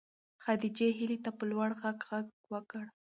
خدیجې هیلې ته په لوړ غږ غږ وکړ.